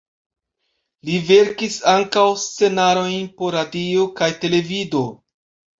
Li verkis ankaŭ scenarojn por radio kaj televido.